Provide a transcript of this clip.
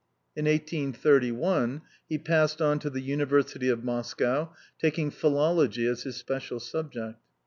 In 1 83 1, he passed on to the University of Moscow, taking philology as his special subject.